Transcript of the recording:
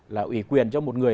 là ủy quyền cho một người